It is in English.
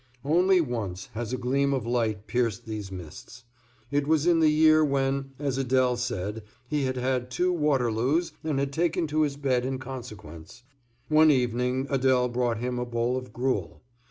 Only once has a gleam of light pierced these mists. It was in the year when, as Adèle said, he had had two Waterloos and had taken to his bed in consequence. One evening Adèle brought him a bowl of gruel.